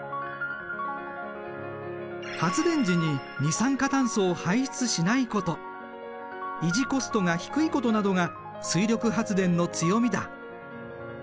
発電時に二酸化炭素を排出しないこと維持コストが低いことなどが水力発電の強みだ。